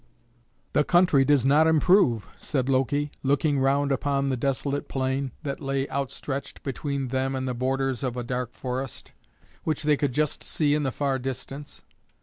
"The country does not improve," said Loki, looking round upon the desolate plain that lay outstretched between them and the borders of a dark forest, which they could just see in the far distance.